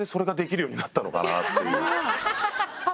ハハハハ！